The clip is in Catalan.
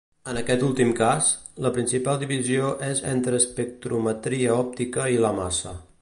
En aquest últim cas, la principal divisió és entre espectrometria òptica i la massa.